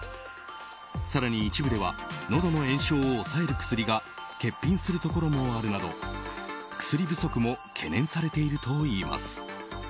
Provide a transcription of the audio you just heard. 更に、一部ではのどの炎症を抑える薬が欠品するところもあるなど薬不足も懸念されているといいます。